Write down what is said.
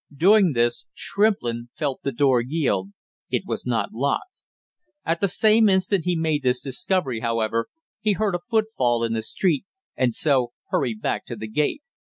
Doing this, Shrimplin felt the door yield, it was not locked; at the same instant he made this discovery, however, he heard a footfall in the street and so, hurried back to the gate.